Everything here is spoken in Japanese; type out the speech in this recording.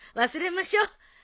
忘れましょう。